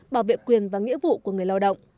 bảo vệ quyền và nghĩa vụ của người lao động